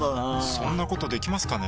そんなことできますかね？